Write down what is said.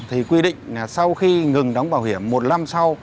thì quy định là sau khi ngừng đóng bảo hiểm một năm sau